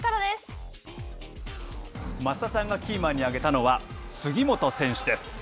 松田さんがキーマンに挙げたのは杉本選手です。